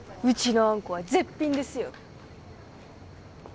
うちのあんこは絶品ですよ。